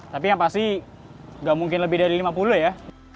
tapi yang pasti gak mungkin lebih dari lima puluh ya